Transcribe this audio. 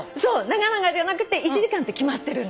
長々じゃなくて１時間って決まってる。